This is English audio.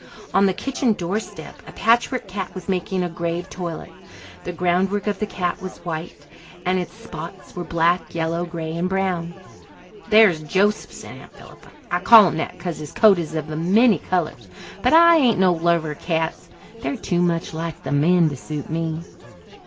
On the kitchen doorstep a patchwork cat was making a grave toilet. The groundwork of the cat was white, and its spots were black, yellow, grey, and brown. "There's Joseph," said Aunt Philippa. "I call him that because his coat is of many colours. But I ain't no lover of cats. They're too much like the men to suit me."